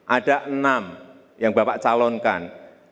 ada enam yang bapak calonkan